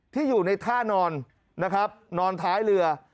ที่อยู่ในท่านอนนะครับนอนท้ายเรือ